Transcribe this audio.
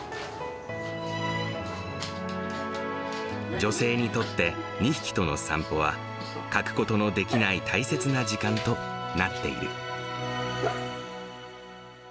女性にとって２匹との散歩は、欠くことのできない大切な時間となっている。